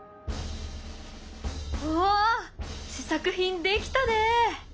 おお試作品できたね。